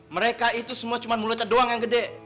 mereka itu semua cuma mulutnya doang yang gede